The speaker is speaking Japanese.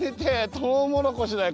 トウモロコシだよ